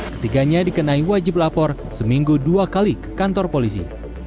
ketiga kantor polisi